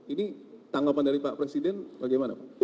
ini tanggapan dari pak presiden bagaimana pak